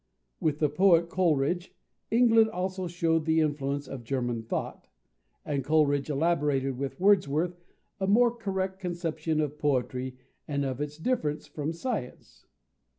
With the poet Coleridge, England also showed the influence of German thought, and Coleridge elaborated with Wordsworth a more correct conception of poetry and of its difference from science.